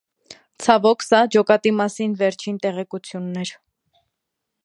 Ցավոք սա ջոկատի մասին վերջին տեղեկությունն էր։